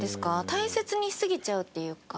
大切にしすぎちゃうっていうか。